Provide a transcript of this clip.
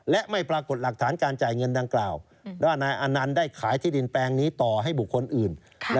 และไม่ปรากฏหลักฐานการจ่ายเงินดังกล่าวว่านายอนันต์ได้ขายที่ดินแปลงนี้ต่อให้บุคคลอื่น